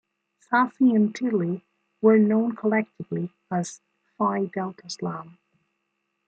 Sassi and Tilly were known collectively as Phi Delta Slam.